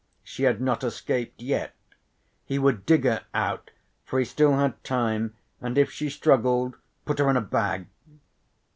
She had not escaped yet. He would dig her out for he still had time, and if she struggled put her in a bag.